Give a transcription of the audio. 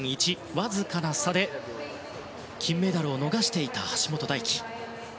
わずかな差で金メダルを逃していた橋本大輝。